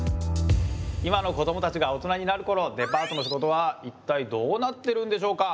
今の子どもたちが大人になるころデパートの仕事はいったいどうなってるんでしょうか？